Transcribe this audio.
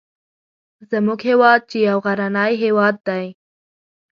زموږ هیواد چې یو غرنی هیواد دی